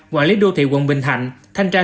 quản lý đô thị quận bình thạnh thanh tra